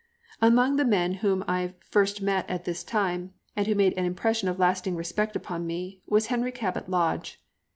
Among the men whom I first met at this time, and who made an impression of lasting respect upon me, was Henry Cabot Lodge.